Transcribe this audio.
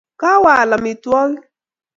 Kawe aal amitwokik